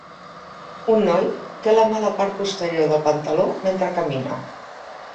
Un noi té la mà a la part posterior del pantaló mentre camina.